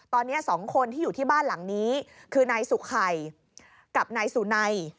ตอนนี้๒คนที่อยู่ที่บ้านหลังนี้คือนายสุไข่กับนายสุนัย